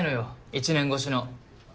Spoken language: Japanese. １年越しの。